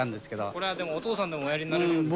これはでもお父さんでもおやりになれるでしょ。